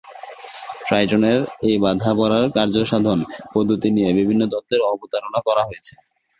ট্রাইটনের এই বাঁধা পড়ার কার্যসাধন-পদ্ধতি নিয়ে বিভিন্ন তত্ত্বের অবতারণা করা হয়েছে।